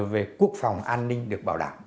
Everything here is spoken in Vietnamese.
là về quốc phòng an ninh được bảo đảm